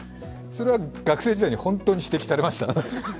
それは学生時代に本当に指摘されました。